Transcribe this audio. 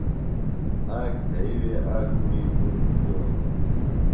آک زھئی وے آک کُڑی پُتر جولوۡ۔